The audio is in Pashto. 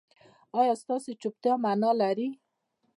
ایا ستاسو چوپتیا معنی لري؟